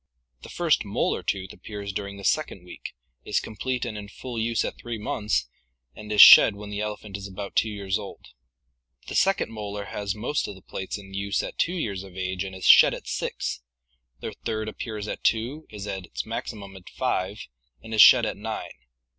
The first molar tooth appears during the second week, is complete and in full use at three months, and is shed when the elephant is about two years old. The second molar has most of the plates (see page 585) in use at two years of age and is shed at six, the third ap pears at two, is at its maximum at five, and is shed at nine.